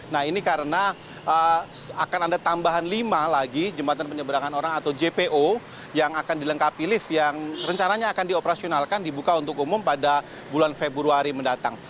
nah ini karena akan ada tambahan lima lagi jembatan penyeberangan orang atau jpo yang akan dilengkapi lift yang rencananya akan dioperasionalkan dibuka untuk umum pada bulan februari mendatang